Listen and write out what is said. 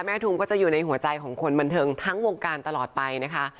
ทุมก็จะอยู่ในหัวใจของคนบันเทิงทั้งวงการตลอดไปนะคะ